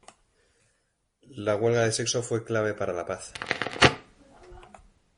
La huelga de sexo fue clave para la paz.